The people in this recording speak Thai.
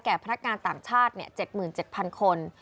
พนักงานต่างชาติ๗๗๐๐คน